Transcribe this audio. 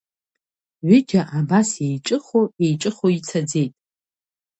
Ҩыџьа абас еиҿыхо, еиҿыхо ицаӡеит.